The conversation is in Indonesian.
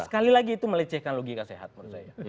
sekali lagi itu melecehkan logika sehat menurut saya